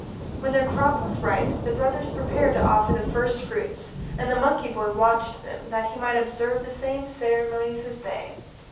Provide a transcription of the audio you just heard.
When their crop was ripe the brothers prepared to offer the first fruits and the monkey boy watched them that he might observe the same ceremonies as they.